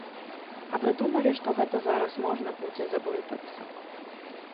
А вы думалі, што гэта зараз можна будзе заблытацца?